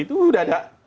itu sudah ada